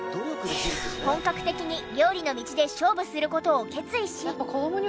本格的に料理の道で勝負する事を決意し。